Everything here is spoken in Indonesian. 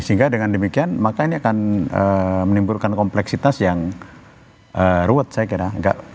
sehingga dengan demikian maka ini akan menimbulkan kompleksitas yang ruwet saya kira